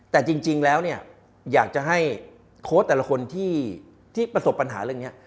แต่จริงแล้วเนี่ยอยากจะให้โค้ชแต่ละคนที่ประสบปัญหาเรื่องนี้